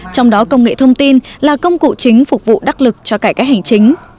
trong đó công nghệ thông tin là công cụ chính phục vụ đắc lực cho cải cách hành chính